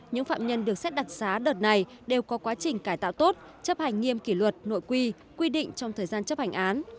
những phạm nhân được xét đặc xá đợt này đều có quá trình cải tạo tốt chấp hành nghiêm kỷ luật nội quy quy định trong thời gian chấp hành án